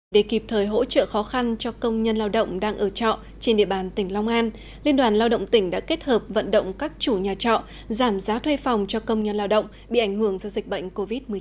để kịp thời hỗ trợ khó khăn cho công nhân lao động đang ở trọ trên địa bàn tỉnh long an liên đoàn lao động tỉnh đã kết hợp vận động các chủ nhà trọ giảm giá thuê phòng cho công nhân lao động bị ảnh hưởng do dịch bệnh covid một mươi chín